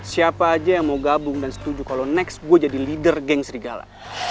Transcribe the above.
siapa aja yang mau gabung dan setuju kalau next gue jadi leader geng serigala